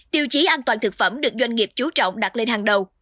tiêu chí an toàn thực phẩm được doanh nghiệp chú trọng đặt lên hàng đầu